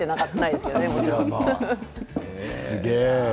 すげえ。